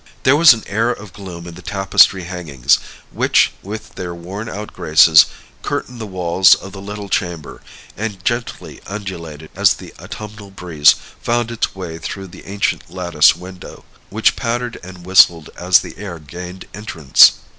There was an air of gloom in the tapestry hangings, which, with their worn out graces, curtained the walls of the little chamber, and gently undulated as the autumnal breeze found its way through the ancient lattice window, which pattered and whistled as the air gained entrance.